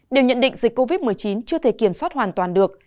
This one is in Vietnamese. đều nhận định dịch covid một mươi chín chưa thể kiểm soát hoàn toàn được